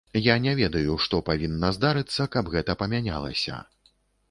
Я не ведаю, што павінна здарыцца, каб гэта памянялася.